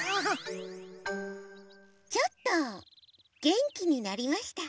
ちょっとげんきになりました。